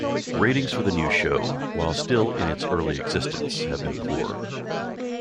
Ratings for the new show, while still in its early existence, have been poor.